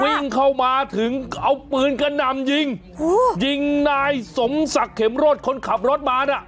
วิ่งเข้ามาถึงเอาปืนกระหน่ำยิงยิงนายสมศักดิ์เข็มรถคนขับรถมาน่ะ